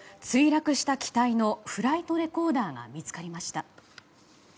墜落した機体のフライトレコーダーが見つかりました。